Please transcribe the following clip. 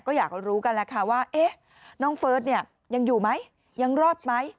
ก็อยากรู้กันแหละค่ะว่าน้องเฟิร์สเนี่ยยังอยู่ไหมยังรอดไหม